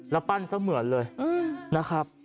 แล้วปั้นเสมือนเลยนะครับ